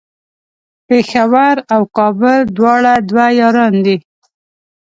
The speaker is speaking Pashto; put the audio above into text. پیښور او کابل دواړه دوه یاران دی